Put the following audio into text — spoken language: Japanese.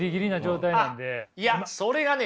いやそれがね